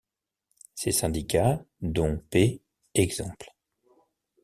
Ces syndicats, dont p.ex.